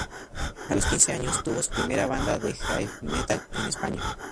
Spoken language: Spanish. A los quince años tuvo su primera banda de "heavy metal" en España.